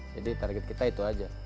target kita itu aja